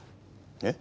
えっ？